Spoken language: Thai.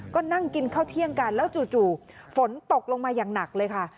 ก็นั่งกินข้าวเที่ยงกันแล้วจู่ฝนตกลงมาอย่างหนักเลยค่ะ